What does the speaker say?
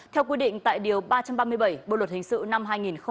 theo quy định tại điều ba trăm ba mươi bảy bộ luật hình sự năm hai nghìn một mươi năm